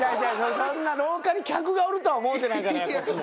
そんな廊下に客がおるとは思うてないからやこっちも。